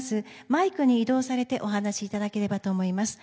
マイクに移動されてお話しいただければと思います。